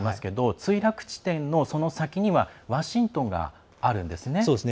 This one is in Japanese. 墜落地点のその先にはワシントンがあるんですね。